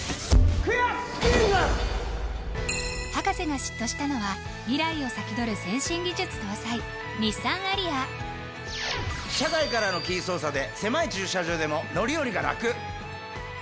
博士が嫉妬したのは未来を先取る先進技術搭載日産アリア車外からのキー操作で狭い駐車場でも乗り降りがラク！